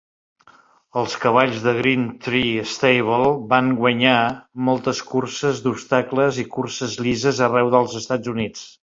Els cavalls de Greentree Stable van guanyar moltes curses d'obstacles i curses llises arreu dels Estats Units.